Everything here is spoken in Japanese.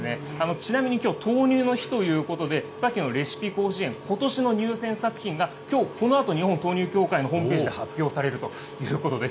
ちなみにきょう、豆乳の日ということで、さっきのレシピ甲子園、ことしの入選作品がきょうこのあと、日本豆乳協会のホームページで発表されるということです。